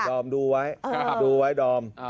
อมดูไว้ดูไว้ดอม